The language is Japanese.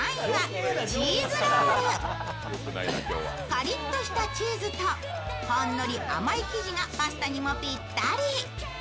カリッとしたチーズと、ほんのり甘い生地がパスタにもぴったり。